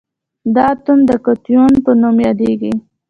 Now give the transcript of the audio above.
دا اتوم د کتیون په نوم یادیږي.